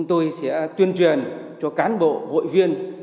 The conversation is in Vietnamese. tôi sẽ tuyên truyền cho cán bộ hội viên